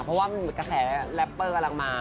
เพราะว่ากระแสแรปเปอร์กำลังมา